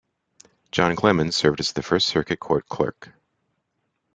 John Clemens served as the first circuit court clerk.